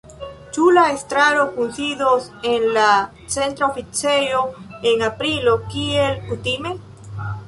Ĉu la estraro kunsidos en la Centra Oficejo en aprilo, kiel kutime?